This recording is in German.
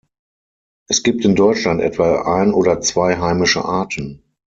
Es gibt in Deutschland etwa ein oder zwei heimische Arten.